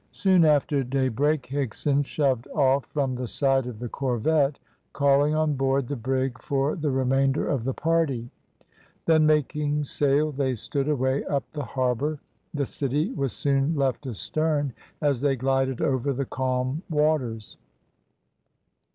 Soon after daybreak Higson shoved off from the side of the corvette, calling on board the brig for the remainder of the party. Then making sail, they stood away up the harbour. The city was soon left astern as they glided over the calm waters.